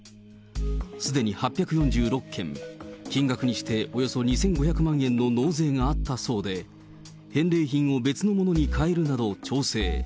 すでに８４６件、金額にしておよそ２５００万円の納税があったそうで、返礼品を別のものに代えるなど調整。